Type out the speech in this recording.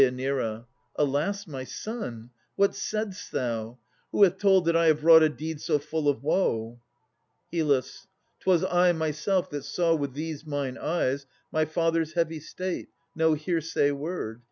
Alas, my son! what saidst thou? Who hath told That I have wrought a deed so full of woe? HYL. 'Twas I myself that saw with these mine eyes My father's heavy state: no hearsay word.